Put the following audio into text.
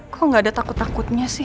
kok gak ada takut takutnya sih